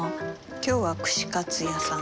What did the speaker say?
「今日は串カツ屋さん」。